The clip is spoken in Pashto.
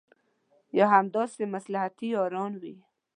یا همداسې مصلحتي یاران وي.